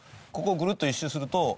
ここをぐるっと１周すると。